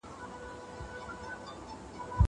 که باران وشي، زه به پاتې شم!!